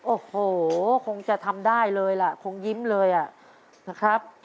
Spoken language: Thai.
โอ้โหคงจะทำได้เลยล่ะคงยิ้มเลยนะครับ